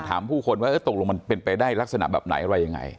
ผู้คนว่าตกลงมันเป็นไปได้ลักษณะแบบไหนอะไรยังไง